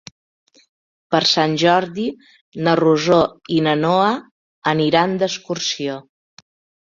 Per Sant Jordi na Rosó i na Noa aniran d'excursió.